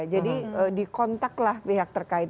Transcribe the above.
jadi dikontaklah pihak terkait